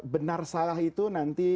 benar salah itu nanti